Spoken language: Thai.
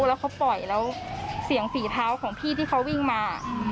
แล้วเขาปล่อยแล้วเสียงฝีเท้าของพี่ที่เขาวิ่งมา